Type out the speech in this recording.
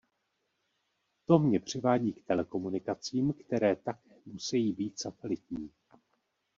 To mě přivádí k telekomunikacím, které také musejí být satelitní.